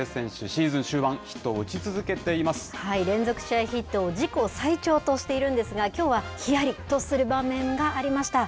シーズン終盤、ヒットを打ち続け連続試合ヒットを自己最長としているんですが、きょうはひやりとする場面がありました。